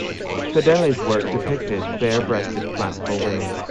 Fedeli's work depicted bare-breasted classical women.